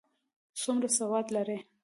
څومره سواد لري؟